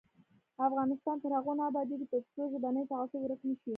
افغانستان تر هغو نه ابادیږي، ترڅو ژبنی تعصب ورک نشي.